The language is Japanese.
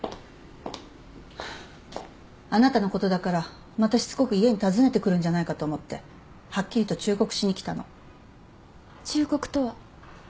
あなたのことだからまたしつこく家に訪ねてくるんじゃないかと思ってはっきりと忠告しに来たの。忠告とは？